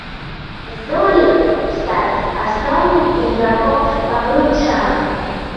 Здолеў стаць асноўным іграком бабруйчан.